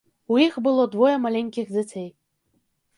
У іх было двое маленькіх дзяцей.